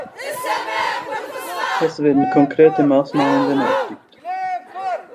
Es werden konkrete Maßnahmen benötigt.